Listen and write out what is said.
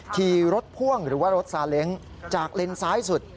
ขี่รถพ่วงหรือว่ารถซาเล้งจากเลนซ้ายสุด